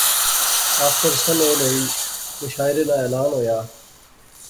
آخر سنیل ہوئی، مشاعرے ناں اعلان ہویا